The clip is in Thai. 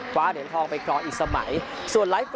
คว้าเหรียญทองไปคลองอีกสมัยส่วน